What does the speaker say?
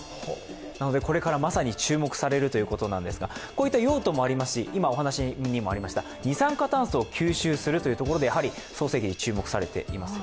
これからまさに注目されているということですが、こういった用途もありますし、今お話にもありました、二酸化炭素を吸収するというところで早生桐が注目されています。